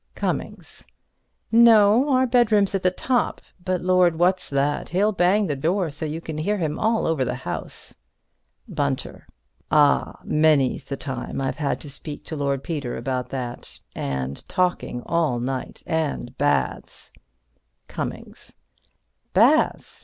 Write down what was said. Cummings: No; our bedroom's at the top. But, Lord! what's that? He'll bang the door so you can hear him all over the house. Bunter: Ah, many's the time I've had to speak to Lord Peter about that. And talking all night. And baths. Cummings: Baths?